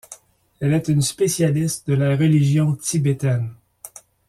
Elle est une spécialiste de la religion tibétaine.